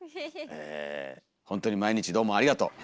ほんとに毎日どうもありがとう。